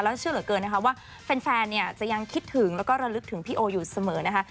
แล้วเชื่อเหลือเกินนะคะว่าแฟนเนี่ยจะยังคิดถึงแล้วก็ระลึกถึงพี่โออยู่เสมอนะคะ